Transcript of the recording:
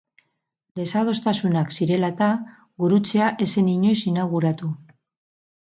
Desadostasunak zirela eta, gurutzea ez zen inoiz inauguratu.